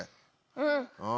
うん。